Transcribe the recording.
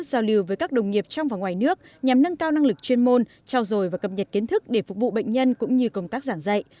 giao lưu với các đồng nghiệp trong và ngoài nước nhằm nâng cao năng lực chuyên môn trao dồi và cập nhật kiến thức để phục vụ bệnh nhân cũng như công tác giảng dạy